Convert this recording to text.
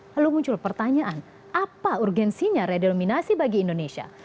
lalu muncul pertanyaan apa urgensinya redenominasi bagi indonesia